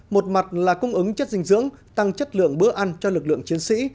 một mặt là cung ứng chất dinh dưỡng tăng chất lượng bữa ăn cho lực lượng chiến sĩ